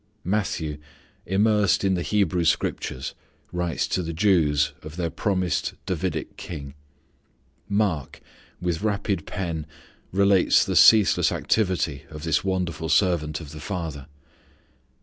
Matthew, immersed in the Hebrew Scriptures, writes to the Jews of their promised Davidic King; Mark, with rapid pen, relates the ceaseless activity of this wonderful servant of the Father.